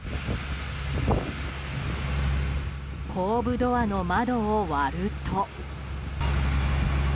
後部ドアの窓を割ると。